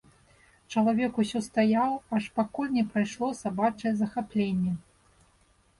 Чалавек усё стаяў, аж пакуль не прайшло сабачае захапленне.